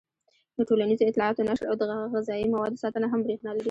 د ټولنیزو اطلاعاتو نشر او د غذايي موادو ساتنه هم برېښنا لري.